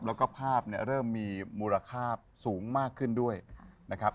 แล้วก็ภาพเนี่ยเริ่มมีมูลค่าสูงมากขึ้นด้วยนะครับ